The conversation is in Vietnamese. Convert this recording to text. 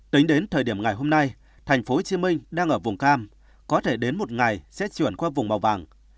tính đến thời điểm ngày hôm nay tp hcm đang ở vùng cam có thể đến một ngày sẽ chuyển qua vùng màu vàng